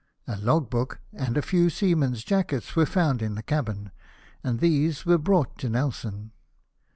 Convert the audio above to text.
A log book and a few seamen's jackets were found in the cabin, and these were brought to Nelson.